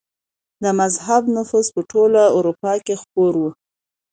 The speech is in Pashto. د مذهب نفوذ په ټوله اروپا کي خپور و.